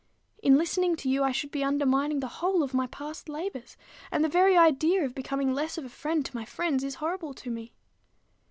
In listening to you, I should be undermining the whole of my past labors; and the very idea of becoming less of a friend to my friends is horrible to me.